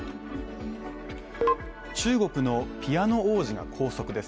中国のピアノ王子が拘束です。